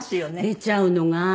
出ちゃうのが。